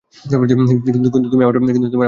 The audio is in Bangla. কিন্তু তুমি আমার সাথে ফ্লার্ট করেছিলে।